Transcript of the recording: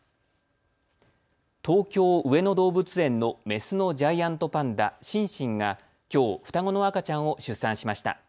東京上野動物園のメスのジャイアントパンダ、シンシンがきょう、双子の赤ちゃんを出産しました。